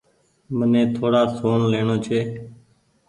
مني ٿوڙآ سون ليڻو ڇي۔